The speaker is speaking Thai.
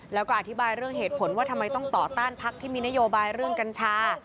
แล้วก็อธิบายเรื่องเหตุผลว่าทำไมต้องต่อต้านพักที่มีนโยบายเรื่องกัญชา